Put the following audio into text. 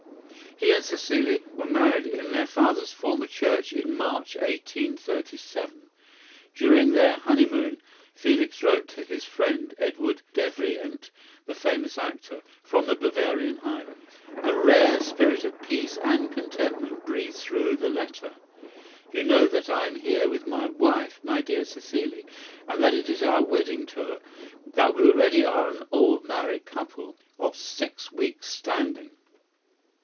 He and Cécile were married in her father's former church in March, 1837. During their honeymoon Felix wrote to his friend, Eduard Devrient, the famous actor, from the Bavarian highlands. A rare spirit of peace and contentment breathes through the letter. "You know that I am here with my wife, my dear Cécile, and that it is our wedding tour; that we already are an old married couple of six weeks' standing.